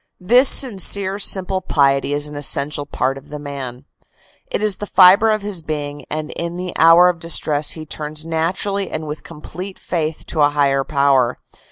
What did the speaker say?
This sincere simple piety is an essential part of the man. It is the fibre of his being and in the hour of distress he turns naturally and with complete faith to a higher power.